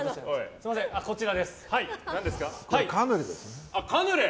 すみません、こちらです。